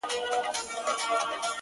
پر حجره یې لکه مار وګرځېدمه!